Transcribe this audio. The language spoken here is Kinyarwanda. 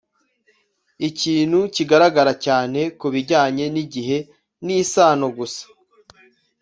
ikintu kigaragara cyane kubijyanye nigihe ni isano gusa.